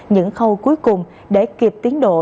những khâu cuối cùng để kịp tiến độ